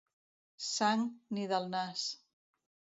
Sang, ni del nas.